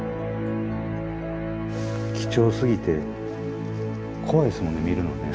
貴重すぎて怖いですもんね見るのね。